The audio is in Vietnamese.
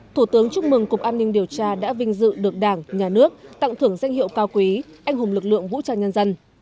thủ tướng chúc mừng cục an ninh điều tra đã vinh dự được đảng nhà nước tặng thưởng danh hiệu cao quý anh hùng lực lượng vũ trang nhân dân